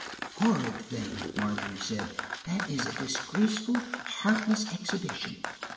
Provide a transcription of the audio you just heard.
"Horrid thing!" Margery said. "That is a disgraceful, heartless exhibition."